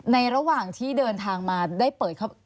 ในระหว่างที่เดินทางมาได้เปิด